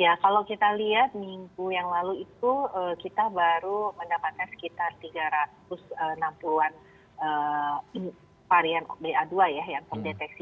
ya kalau kita lihat minggu yang lalu itu kita baru mendapatkan sekitar tiga ratus enam puluh an varian ba dua ya yang terdeteksi